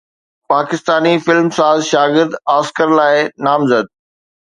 پاڪستاني فلم ساز شاگرد آسڪر لاءِ نامزد